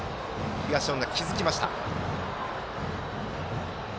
東恩納、気付きました。